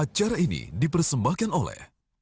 acara ini dipersembahkan oleh